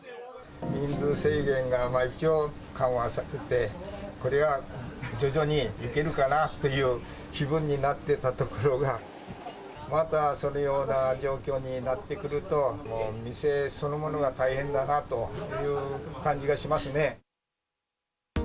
人数制限が一応、緩和されて、これは徐々にいけるかなという気分になっていたところが、またそのような状況になってくると、店そのものが大変だなという感じがしますね。